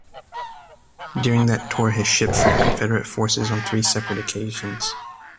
During that tour, his ship fought Confederate forces on three separate occasions.